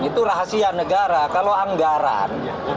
itu rahasia negara kalau anggaran